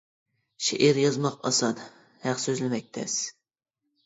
شېئىر يازماق ئاسان، ھەق سۆزلىمەك تەس.